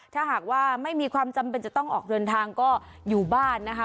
ถ้าหากว่าไม่มีความจำเป็นจะต้องออกเดินทางก็อยู่บ้านนะคะ